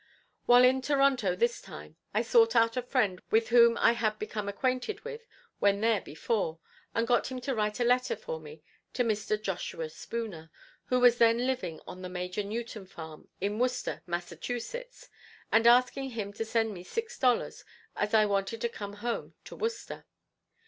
While in Toronto this time, I sought out a friend with whom I had become acquainted with when there before, and got him to write a letter for me to Mr. Joshua Spooner, who was then living on the Major Newton farm in Worcester, Mass., and asking him to send me six dollars as I wanted to come home to Worcester.